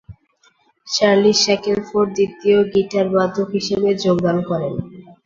Charlie Shackleford দ্বিতীয় গিটারবাদক হিসেবে যোগদান করেন।